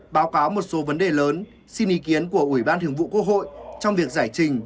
báo cáo một số vấn đề lớn xin ý kiến của ủy ban thường vụ quốc hội trong việc giải trình